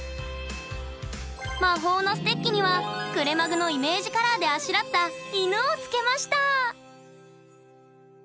魔法のステッキにはくれまぐのイメージカラーであしらった犬を付けました。